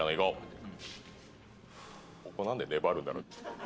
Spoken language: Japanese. ここ何で粘るんだろう？